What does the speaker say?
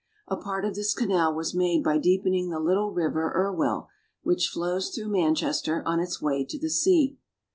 A part of this canal was made by deepening the little river Irwell, which flows through Manchester on its way to the sea.